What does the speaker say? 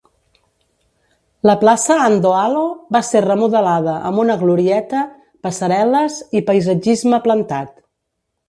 La plaça Andohalo va ser remodelada amb una glorieta, passarel·les i paisatgisme plantat.